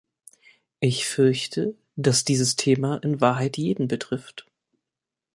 Ich fürchte, dass dieses Thema in Wahrheit jeden betrifft.